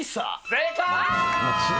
正解！